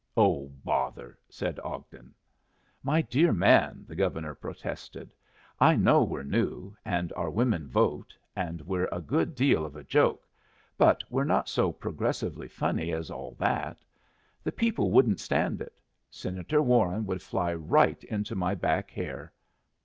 "Oh, bother!" said Ogden. "My dear man," the Governor protested, "I know we're new, and our women vote, and we're a good deal of a joke, but we're not so progressively funny as all that. The people wouldn't stand it. Senator Warren would fly right into my back hair."